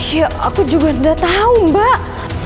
iya aku juga gak tau mbak